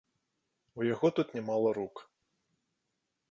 У яго тут не мала рук.